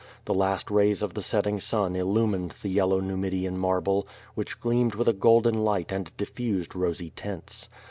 The last rays of the setting sun illumined the yellow Numidian marble, which gleamed with a golden light and diffused rosy tints.